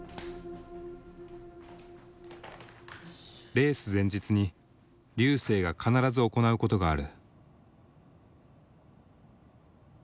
レース前日に瑠星が必ず行うことがある。